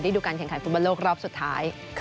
ดูการแข่งขันฟุตบอลโลกรอบสุดท้าย